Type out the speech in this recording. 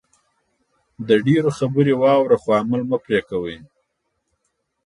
ډېرو خبرې واوره خو عمل مه پرې کوئ